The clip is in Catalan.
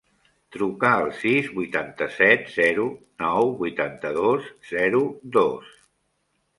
Truca al sis, vuitanta-set, zero, nou, vuitanta-dos, zero, dos.